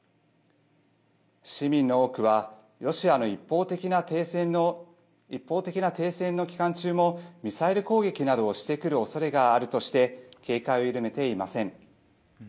市民の多くはロシアの一方的な停戦の期間中もミサイル攻撃などをしてくるおそれがあるとして警戒を緩めていません。